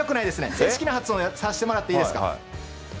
正式な発音させてもらっていいですか。